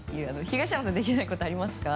東山さんできないことありますか？